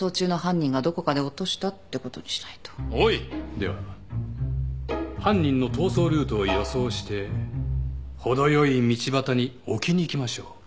では犯人の逃走ルートを予想して程よい道端に置きに行きましょう。